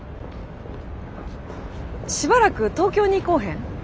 しばらく東京に来うへん？